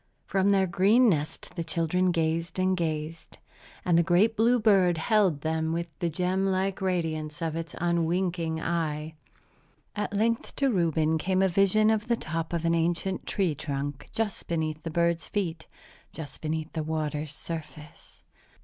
From their green nest the children gazed and gazed; and the great blue bird held them with the gem like radiance of its unwinking eye. At length to Reuben came a vision of the top of an ancient tree trunk just beneath the bird's feet, just beneath the water's surface.